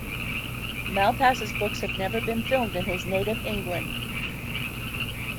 Malpass's books have never been filmed in his native England.